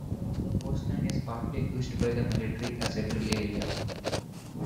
However, the coastline is partly used by the military as a drill-area.